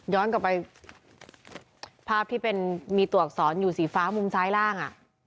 ย้อนกลับไปภาพที่เป็นมีตวกสอนอยู่สีฟ้ามุมซ้ายล่างอ่ะ